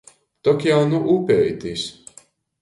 Tok jau nu upeitis!